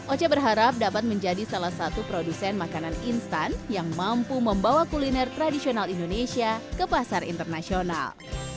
oce berharap dapat menjadi salah satu produsen makanan instan yang mampu membawa kuliner tradisional indonesia ke pasar internasional